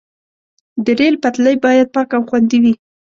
د ریل پټلۍ باید پاکه او خوندي وي.